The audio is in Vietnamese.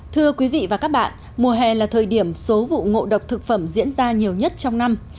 thưa quý vị và các bạn mùa hè là thời điểm số vụ ngộ độc thực phẩm diễn ra nhiều nhất trong năm